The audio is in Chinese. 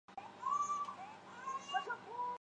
这篇文章也被广泛引用。